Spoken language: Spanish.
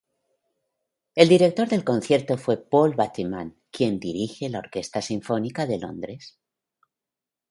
El director del concierto fue Paul Bateman, quien dirige la Orquesta Sinfónica de Londres.